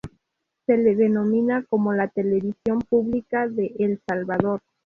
Se le denomina como la televisión pública de El Salvador.